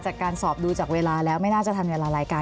จากการสอบดูจากเวลาแล้วไม่น่าจะทันเวลารายการ